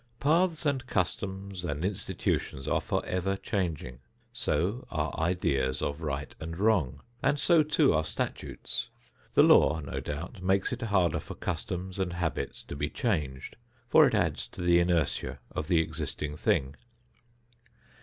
Paths and customs and institutions are forever changing. So are ideas of right and wrong, and so, too, are statutes. The law, no doubt, makes it harder for customs and habits to be changed, for it adds to the inertia of the existing thing.